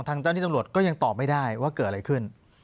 เจ้าที่ตำรวจก็ยังตอบไม่ได้ว่าเกิดอะไรขึ้น